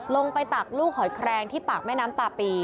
ตักลูกหอยแครงที่ปากแม่น้ำตาปี